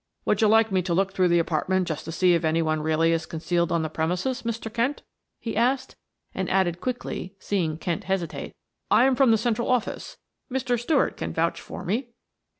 "Would you like me to look through the apartment just to see if any one really is concealed on the premises, Mr. Kent?" he asked, and added quickly, seeing Kent hesitate, "I am from the central office; Mr. Stuart can vouch for me."